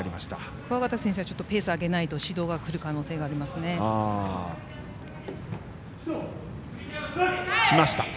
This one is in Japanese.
桑形選手はペースを上げないと指導がくる可能性がありますね。